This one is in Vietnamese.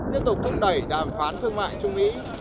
tiếp tục thúc đẩy đàm phán thương mại trung mỹ